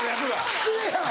失礼やろ！